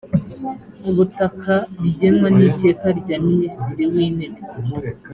ubutaka bigenwa n iteka rya minisitiri w intebe